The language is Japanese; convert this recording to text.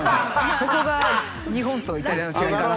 そこが日本とイタリアの違いかな。